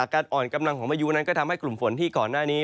อ่อนกำลังของพายุนั้นก็ทำให้กลุ่มฝนที่ก่อนหน้านี้